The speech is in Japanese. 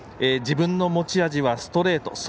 自分の持ち味はストレート。